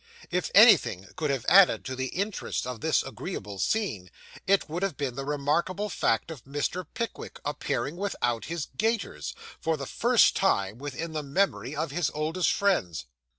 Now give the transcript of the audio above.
If anything could have added to the interest of this agreeable scene, it would have been the remarkable fact of Mr. Pickwick's appearing without his gaiters, for the first time within the memory of his oldest friends.